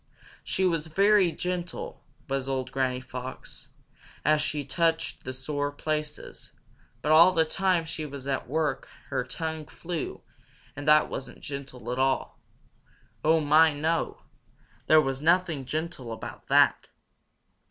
She was very gentle, was old Granny Fox, as she touched the sore places, but all the time she was at work her tongue flew, and that wasn't gentle at all. Oh, my, no! There was nothing gentle about that!